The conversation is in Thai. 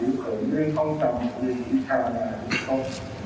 อยู่เขินเรื่องข้องจำเรื่องวิชาบันดาลเรื่องข้องหล่อ